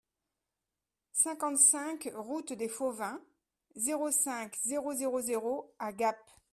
cinquante-cinq route des Fauvins, zéro cinq, zéro zéro zéro à Gap